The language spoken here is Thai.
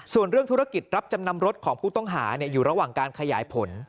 ส่วนเรื่องธุรกิจรับจำนำรถของผู้ต้องหาอยู่ระหว่างการขยายผล